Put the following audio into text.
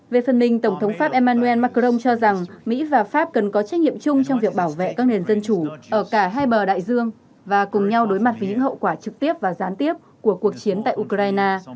về phần mình tổng thống pháp emmanuel macron cho rằng mỹ và pháp cần có trách nhiệm chung trong việc bảo vệ các nền dân chủ ở cả hai bờ đại dương và cùng nhau đối mặt với những hậu quả trực tiếp và gián tiếp của cuộc chiến tại ukraine